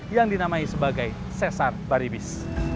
yang dinamai sebagai sesar baribis